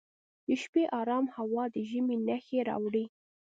د شپې ارام هوا د ژمي نښې راوړي.